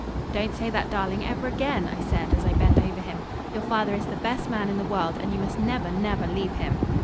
"Don't say that, darling, ever again," I said as I bent over him. "Your father is the best man in the world, and you must never, never leave him."